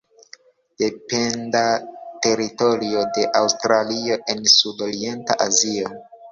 Dependa teritorio de Aŭstralio en Sud-Orienta Azio.